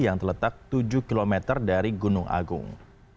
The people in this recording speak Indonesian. yang terletak tujuh km dari gunung agung